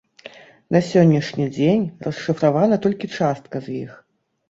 На сённяшні дзень расшыфравана толькі частка з іх.